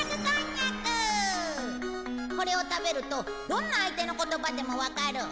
これを食べるとどんな相手の言葉でもわかる。